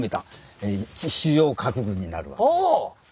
ああ！